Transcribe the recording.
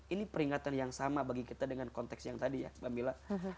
ini peringatan yang sama bagi kita dengan konteks yang tadi ya mbak mila